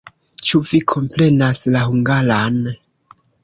Ĉu vi komprenas la hungaran?